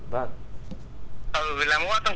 và cái chùa đó là chùa linh ứng